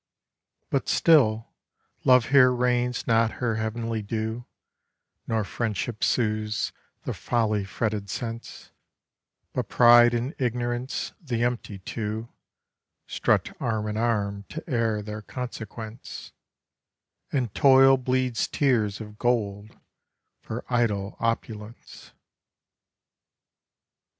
But still, love here rains not her heav'nly dew, Nor friendship soothes the folly fretted sense; But pride and ignorance, the empty two, Strut arm in arm to air their consequence, And toil bleeds tears of gold for idle opulence.